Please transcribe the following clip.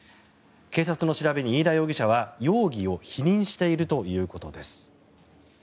警察の調べに、飯田容疑者は容疑を否認しているということです。